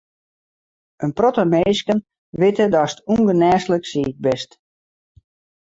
In protte minsken witte datst ûngenêslik siik bist.